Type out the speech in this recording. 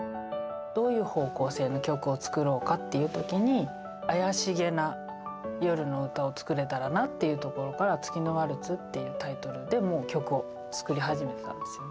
どういう方向性の曲を作ろうかっていう時に怪しげな夜の歌を作れたらなっていうところから「月のワルツ」っていうタイトルでもう曲を作り始めてたんですよね。